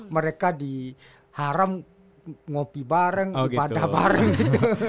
mereka diharam ngopi bareng ibadah bareng